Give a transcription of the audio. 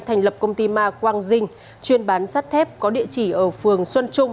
thành lập công ty ma quang dinh chuyên bán sắt thép có địa chỉ ở phường xuân trung